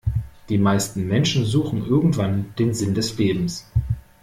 Die meisten Menschen suchen irgendwann den Sinn des Lebens.